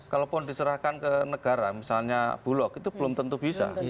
kalaupun diserahkan ke negara misalnya bulog itu belum tentu bisa